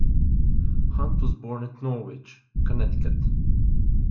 Hunt was born at Norwich, Connecticut.